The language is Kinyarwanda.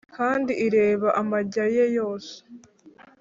kandi ireba amajya ye yose